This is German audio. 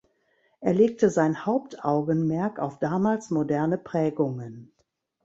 Er legte sein Hauptaugenmerk auf damals moderne Prägungen.